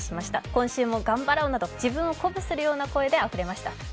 今週も頑張ろうなど自分を鼓舞する声であふれました。